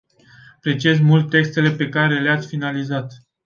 Apreciez mult textele pe care le-ați finalizat.